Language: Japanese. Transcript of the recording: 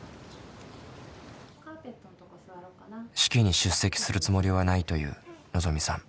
式に出席するつもりはないというのぞみさん。